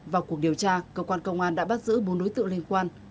vào cuộc điều tra cơ quan công an đã bắt giữ bốn đối tượng liên quan